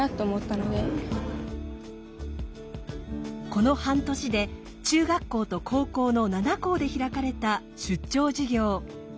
この半年で中学校と高校の７校で開かれた出張授業。